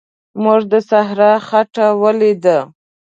موږ د صحرا خټه ولیده.